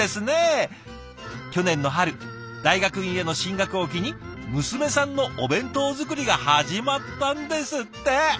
去年の春大学院への進学を機に娘さんのお弁当作りが始まったんですって！